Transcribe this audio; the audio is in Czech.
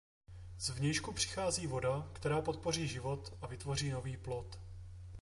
Zvnějšku přichází voda, která podpoří život a vytvoří nový plod.